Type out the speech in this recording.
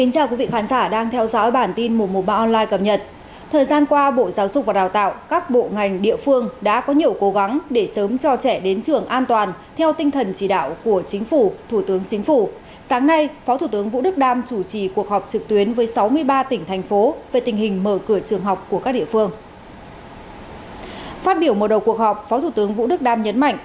cảm ơn các bạn đã theo dõi